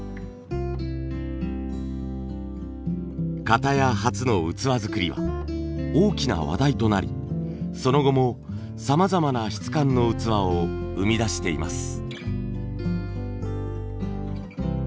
型屋発の器作りは大きな話題となりその後もさまざまな質感の器を生み出しています。